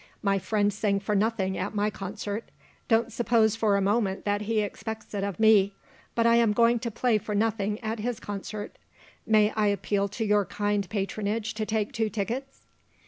My friend sang for nothing at my concert. Don't suppose for a moment that he expects it of me! But I am going to play for nothing at his concert. May I appeal to your kind patronage to take two tickets?"